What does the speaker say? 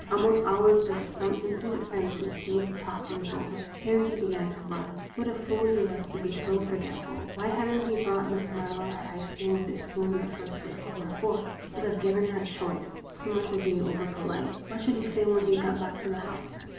Almost always there were some intimate friends who stayed to talk things over. Here he began to run. What a fool he was to be so forgetful ! Why had n't he brought Miss Mar lowe her ice cream with a spoon in the first place, or a fork, instead of giving her a choice ? So much for being over polite. What should he say when he got back to the house